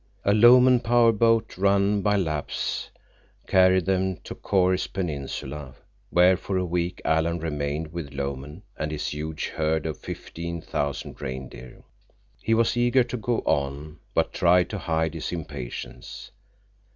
A Lomen power boat, run by Lapps, carried them to Choris Peninsula, where for a week Alan remained with Lomen and his huge herd of fifteen thousand reindeer. He was eager to go on, but tried to hide his impatience.